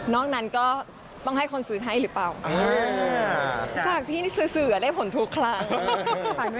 ต้องเมคชัวร์แล้วล่ะอีกสักอีเวนต์หนึ่ง